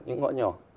những ngõ nhỏ